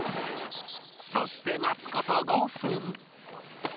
そして待つ事５分